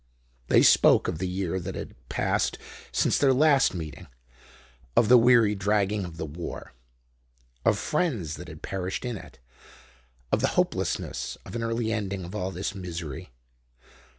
They spoke of the year that had passed since their last meeting, of the weary dragging of the war, of friends that had perished in it, of the hopelessness of an early ending of all this misery.